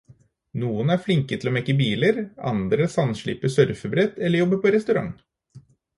Noen er flinke til å mekke biler, andre sandsliper surfebrett eller jobber på restaurant.